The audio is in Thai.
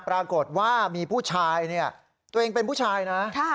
ปรากฏว่ามีผู้ชายเนี่ยตัวเองเป็นผู้ชายนะ